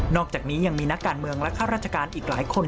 อกจากนี้ยังมีนักการเมืองและข้าราชการอีกหลายคน